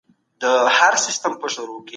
ورزش د انسان بدن ډېر پیاوړی کوي.